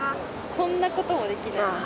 こんなこともできないの？